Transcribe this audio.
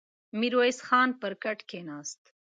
ميرويس خان پر کټ کېناست.